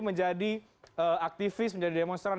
menjadi aktivis menjadi demonstran